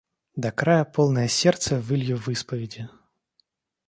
До края полное сердце вылью в исповеди!